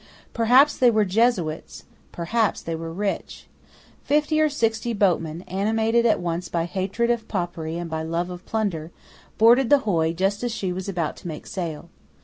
Perhaps they were Jesuits: perhaps they were rich. Fifty or sixty boatmen, animated at once by hatred of Popery and by love of plunder, boarded the hoy just as she was about to make sail.